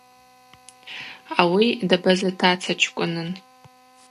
Ауи дабаза таца чкӏвынын.